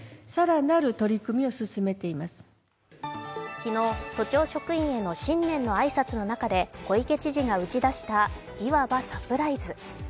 昨日、都庁職員への新年の挨拶の中で小池知事が打ち出した、いわばサプライズ。